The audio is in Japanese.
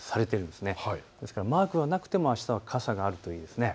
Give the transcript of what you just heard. ですからマークがなくてもあしたは傘があるといいですね。